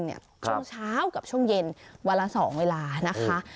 ช่วงเช้ากับช่วงเย็นวันละ๒เวลานะคะ